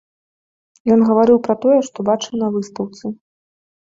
Ён гаварыў пра тое, што бачыў на выстаўцы.